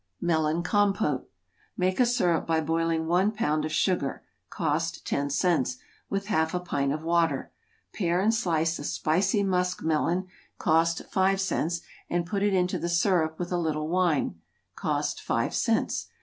=Melon Compôte.= Make a syrup by boiling one pound of sugar, (cost ten cents,) with half a pint of water. Pare and slice a spicy musk melon, (cost five cents,) and put it into the syrup with a little wine, (cost five cents.)